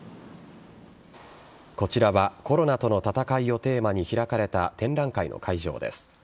こちらはコロナとの戦いをテーマに開かれた展覧会の会場です。